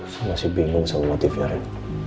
saya masih bingung sama motifnya ren